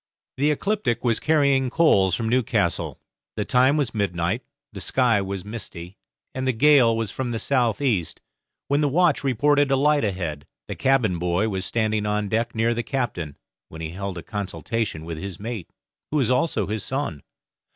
The 'Ecliptic' was carrying coals from Newcastle. The time was midnight, the sky was misty, and the gale was from the south east, when the watch reported a light ahead. The cabin boy was standing on deck near the captain, when he held a consultation with his mate, who was also his son.